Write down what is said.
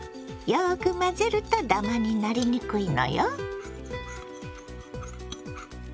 よく混ぜるとダマになりにくいのよ。